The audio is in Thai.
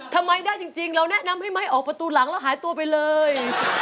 ทำไมได้จริงเราแนะนำให้ไม้ออกประตูหลังแล้วหายตัวไปเลย